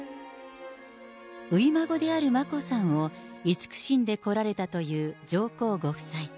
初孫である眞子さんを慈しんでこられたという上皇ご夫妻。